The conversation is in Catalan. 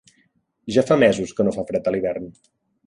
Ja fa mesos que no fa fred a l'hivern.